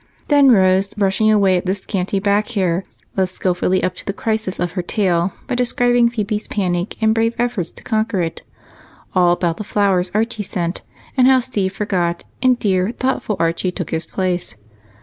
Then Rose, brushing away at the scanty back hair, led skillfully up to the crisis of her tale by describing Phebe's panic and brave efforts to conquer it; all about the flowers Archie sent her; and how Steve forgot, and dear, thoughtful Archie took his place.